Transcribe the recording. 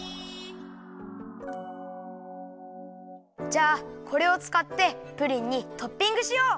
じゃあこれをつかってプリンにトッピングしよう！